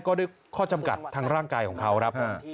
เป็นข้อจำกัดทางร่างกายของเขา